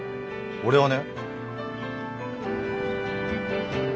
俺はね。